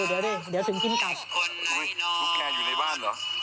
เดี๋ยวถึงกินกับทุกแกอยู่ในบ้านเหรอ